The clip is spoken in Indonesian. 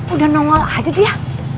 udah nongol aja dia